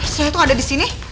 saya tuh ada disini